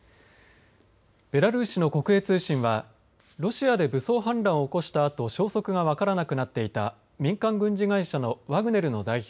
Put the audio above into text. ベラルーシの国営通信はロシアで武装反乱を起こしたあと消息が分からなくなっていた民間軍事会社のワグネルの代表